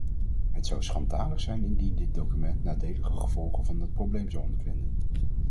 Het zou schandalig zijn indien dit document nadelige gevolgen van dat probleem zou ondervinden.